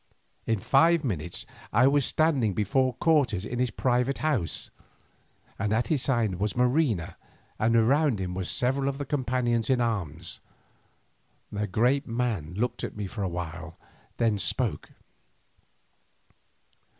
In five minutes I was standing before Cortes in his private house. At his side was Marina and around him were several of his companions in arms. The great man looked at me for a while, then spoke.